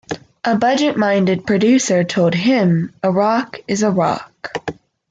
A budget-minded producer told him, A rock is a rock.